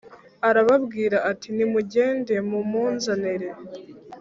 Arababwira ati “Nimugende mumunzanire”